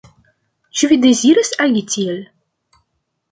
Ĉu vi deziras agi tiel?